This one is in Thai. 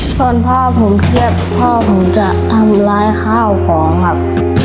ส่วนพ่อผมเครียดพ่อผมจะทำร้ายข้าวของครับ